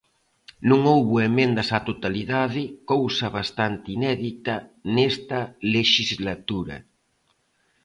Non houbo emendas á totalidade, cousa bastante inédita nesta lexislatura.